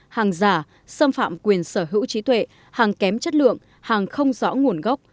hàng giả xâm phạm quyền sở hữu trí tuệ hàng kém chất lượng hàng không rõ nguồn gốc